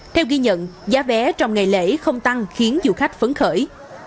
theo ghi nhận giá vé trong ngày lễ không tăng khiến du khách phấn khởi